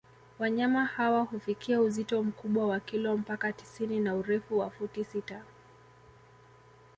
Wanyama hawa hufikia uzito mkubwa wa kilo mpaka tisini na urefu wa futi sita